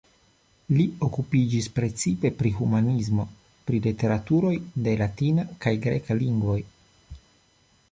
Li okupiĝis precipe pri humanismo, pri literaturoj de la latina kaj greka lingvoj.